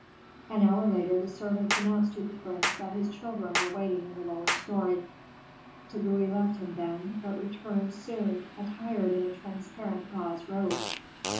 "An hour later the servants announced to the prince that his children were waiting in the lower story. Tbubui left him then, but returned soon, attired in a transparent gauze robe.